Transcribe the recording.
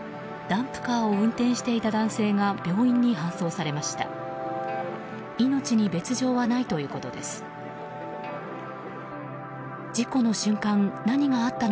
ダンプカーを運転していた男性が病院に搬送されました。